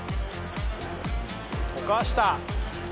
溶かした！